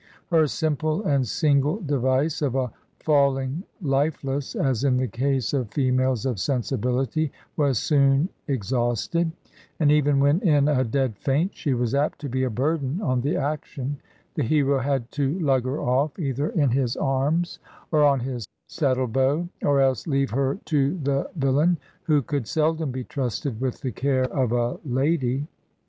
Her simple and single device of a "" falling lifeless/' as in the case of "females" of "sensibihty/' was soon exhausted^ and, even when in a dead faint, she was apt to be a burden on the action; the hero had to lug her off, either in his arms or on his saddle bow, or else leave her to the vil lain, who could seldom be trusted with the care of a lady.